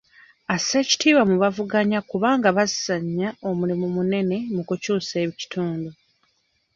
Assa ekitiibwa mu b'avuganya kubanga bazannya omulimu munene mu kukyusa ekitundu.